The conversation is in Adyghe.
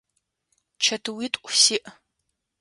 Чэтыуитӏу сиӏ.